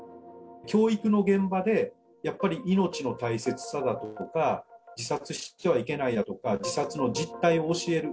教育の現場で、やっぱり命の大切さだとか、自殺してはいけないだとか、自殺の実態を教える。